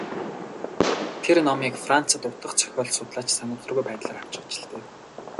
Тэр номыг Францын утга зохиол судлаач санамсаргүй байдлаар авчхаж л дээ.